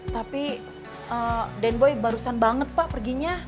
tapi den boy barusan banget pak perginya